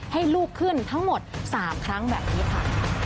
ให้ลูกขึ้นทั้งหมด๓ครั้งแบบนี้ค่ะ